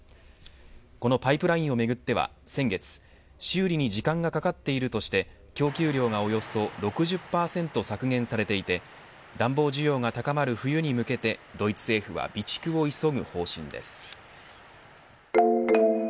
このパイプラインをめぐっては先月修理に時間がかかっているとして供給量がおよそ６０％削減されていて暖房需要が高まる冬に向けてドイツ政府は備蓄を急ぐ方針です。